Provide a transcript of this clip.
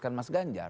kan mas ganjar